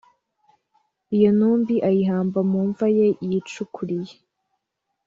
Iyo ntumbi ayihamba mu mva ye yicukuriye